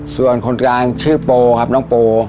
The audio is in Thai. ส่วนคนกลางชื่อโปครับน้องโป